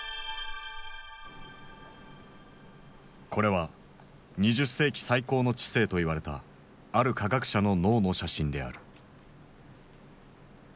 これは２０世紀最高の知性と言われたある科学者の脳の写真である。